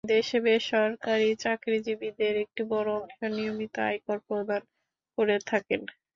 দেশে বেসরকারি চাকরিজীবীদের একটি বড় অংশ নিয়মিত আয়কর প্রদান করে থাকেন।